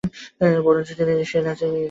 বরঞ্চ সে নিজেই নাচে কম।